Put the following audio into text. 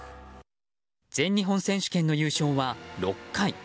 全日本選手権の優勝は６回。